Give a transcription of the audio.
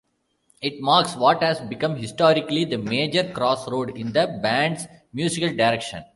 It marks what has become historically, the major crossroad in the band's musical direction.